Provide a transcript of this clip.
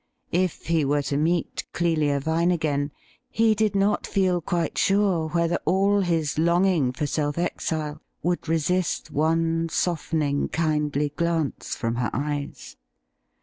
If he were to meet Clelia Vine again, he did not feel quite sure whether all his longing for self exile would resist one softening, kindly glance from her eyes.